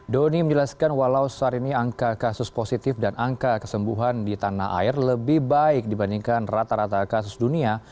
doni menjelaskan walau saat ini angka kasus positif dan angka kesembuhan di tanah air lebih baik dibandingkan rata rata kasus dunia